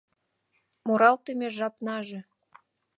Муралтыме жапнаже